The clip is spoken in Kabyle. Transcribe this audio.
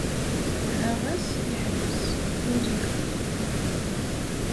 Wehheɣ-as, yeḥbes. Uliɣ.